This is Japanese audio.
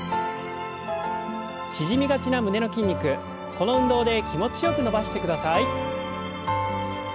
縮みがちな胸の筋肉この運動で気持ちよく伸ばしてください。